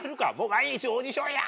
毎日オーディションや！